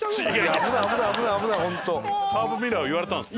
カーブミラーは言われたんですね。